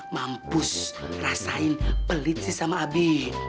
mampu rasain pelit sih sama abi